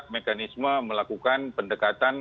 mekanisme melakukan pendekatan